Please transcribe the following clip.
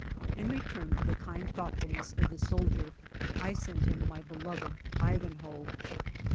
In return for the kind thoughtfulness of the soldier I sent to him my beloved Ivanhoe.